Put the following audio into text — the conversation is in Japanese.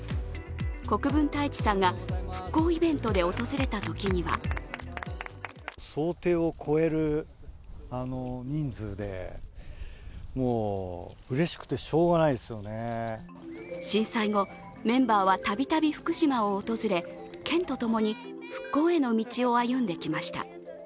国分太一さんが復興イベントで訪れたときには震災後、メンバーはたびたび福島を訪れ県と共に復興への道を歩んできました。